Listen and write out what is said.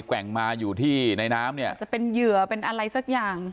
แว่งมาอยู่ที่ในน้ำเนี่ยจะเป็นเหยื่อเป็นอะไรสักอย่าง